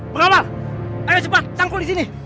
berawal ayo cepat cangkul di sini